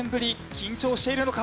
緊張しているのか？